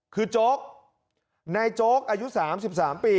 คือโจ๊กในโจ๊กอายุสามสิบสามปี